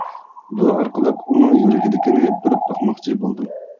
بۇ ئارقىلىق ئۇنىڭ يۈرىكىدىكىنى بىلىپ باقماقچى بولدۇم.